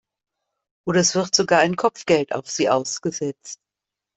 Oder es wird sogar ein Kopfgeld auf sie ausgesetzt.